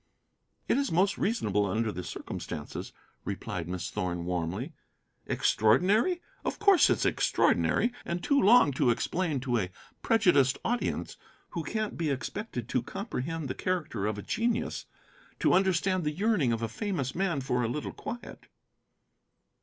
"It is most reasonable under the circumstances," replied Miss Thorn, warmly. "Extraordinary? Of course it's extraordinary. And too long to explain to a prejudiced audience, who can't be expected to comprehend the character of a genius, to understand the yearning of a famous man for a little quiet."